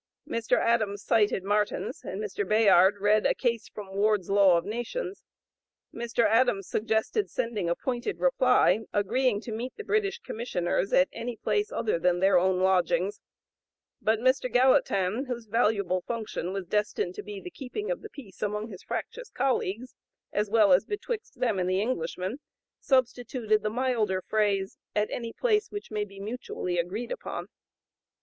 Mr. Adams cited Martens, and Mr. Bayard read a case from Ward's "Law of Nations." Mr. Adams suggested sending a pointed reply, agreeing to meet the British Commissioners "at any place other than their own lodgings;" but Mr. Gallatin, whose valuable function was destined to be the keeping of the peace among his fractious colleagues, as well as (p. 078) betwixt them and the Englishmen, substituted the milder phrase, "at any place which may be mutually agreed upon."